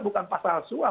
bukan pasal suap